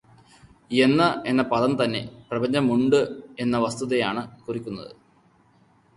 എന്ന് എന്ന പദം തന്നെ പ്രപഞ്ചം ഉണ്ട് എന്ന വസ്തുതയെയാണ് കുറിക്കുന്നത്.